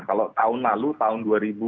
kalau tahun lalu tahun dua ribu sembilan belas